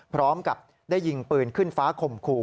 พร้อมกับได้ยิงปืนขึ้นฟ้าข่มขู่